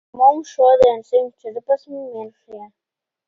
Mums šodien simt četrpadsmit mirušie.